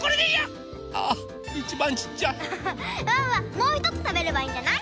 もうひとつたべればいいんじゃない？